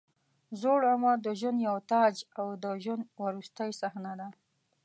زوړ عمر د ژوند یو تاج او د ژوند وروستۍ صحنه ده.